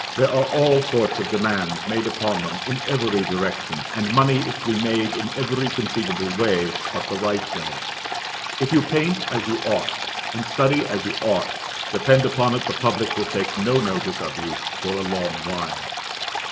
There are all sorts of demands made upon them in every direction, and money is to be made in every conceivable way but the right way. If you paint as you ought, and study as you ought, depend upon it the public will take no notice of you for a long while.